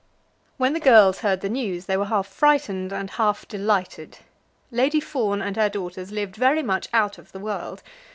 When the girls heard the news, they were half frightened and half delighted. Lady Fawn and her daughters lived very much out of the world.